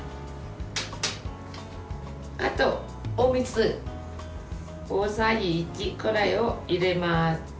あと、お水大さじ１くらいを入れます。